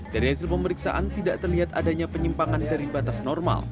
dari hasil pemeriksaan tidak terlihat adanya penyimpangan dari batas normal